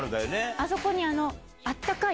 あそこに。